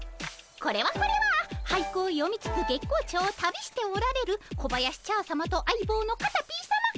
これはこれは俳句を詠みつつ月光町を旅しておられる小林茶さまと相棒のカタピーさま。